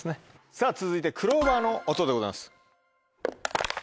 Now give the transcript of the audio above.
さぁ続いてクローバーの音でございます。